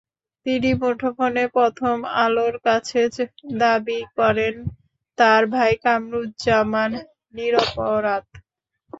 তিনি মুঠোফোনে প্রথম আলোর কাছে দাবি করেন, তাঁর ভাই কামারুজ্জামান নিরপরাধ।